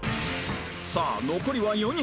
さあ残りは４人